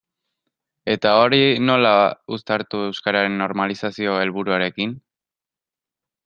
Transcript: Eta hori nola uztartu euskararen normalizazio helburuarekin?